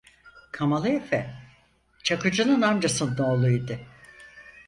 Kamalı Efe, Çakıcı'nın amcasının oğlu idi.